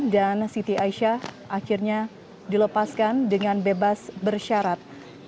dan siti aisyah akhirnya dilepaskan dengan bebas bersyarat